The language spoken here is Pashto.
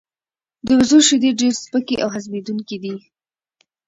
د وزو شیدې ډیر سپکې او هضمېدونکې دي.